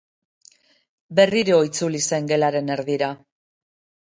Berriro itzuli zen gelaren erdira.